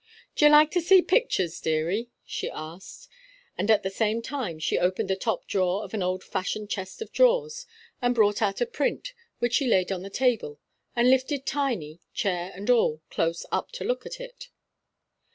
"D'ye like to see pictures, deary?" she asked; and at the same time she opened the top drawer of an old fashioned chest of drawers, and brought out a print, which she laid on the table, and lifted Tiny, chair and all, close up to look at it.